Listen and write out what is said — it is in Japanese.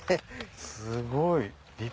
すごい。